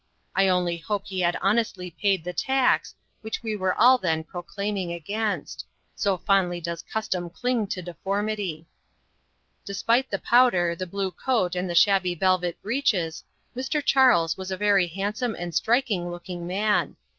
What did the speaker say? I only hope he had honestly paid the tax, which we were all then exclaiming against so fondly does custom cling to deformity. Despite the powder, the blue coat, and the shabby velvet breeches, Mr. Charles was a very handsome and striking looking man.